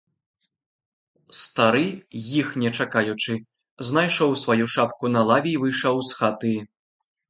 Стары, іх не чакаючы, знайшоў сваю шапку на лаве й выйшаў з хаты.